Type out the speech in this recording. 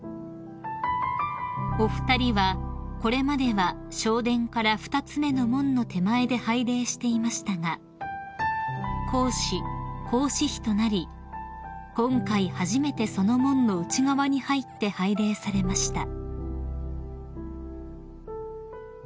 ［お二人はこれまでは正殿から２つ目の門の手前で拝礼していましたが皇嗣皇嗣妃となり今回初めてその門の内側に入って拝礼されました］